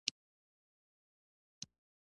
معاصر وخت سیاسي فلسفې بلدتیا ولري.